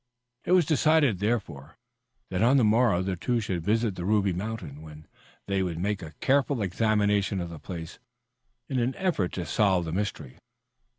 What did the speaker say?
It was decided, therefore, that on the morrow the two should visit the Ruby Mountain, when they would make a careful examination of the place in an effort to solve the mystery.